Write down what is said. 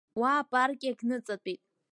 Уа апарк иагьныҵатәеит.